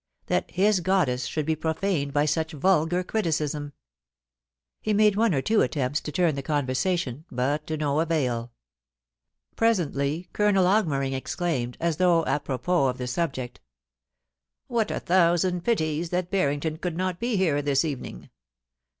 That his goddess should be profaned by such vulgar criticism ! He made one or two attempts to turn the conversation, but to no avail Pre sently Colonel Augmering exclaimed, as though apropos oi the subject * What a thousand pities that Barrington could not be here this evening